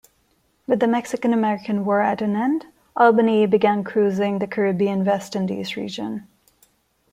With the Mexican-American War at an end, "Albany" began cruising the Caribbean-West Indies region.